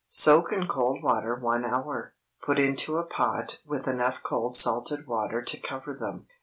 Soak in cold water one hour. Put into a pot with enough cold salted water to cover them.